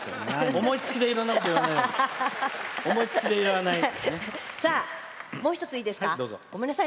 思いつきでいろんなこと言わないで。